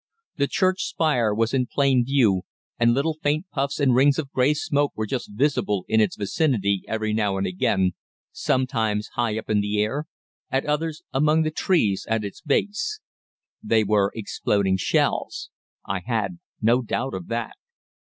The church spire was in plain view, and little faint puffs and rings of grey smoke were just visible in its vicinity every now and again, sometimes high up in the air, at others among the trees at its base. They were exploding shells; I had no doubt of that.